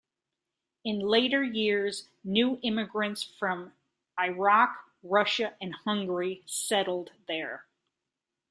In later years, new immigrants from Iraq, Russia and Hungary settled there.